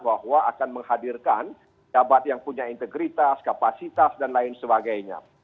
bahwa akan menghadirkan jabat yang punya integritas kapasitas dan lain sebagainya